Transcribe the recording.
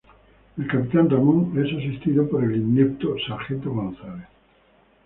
El capitán Ramón es asistido por el inepto Sargento González.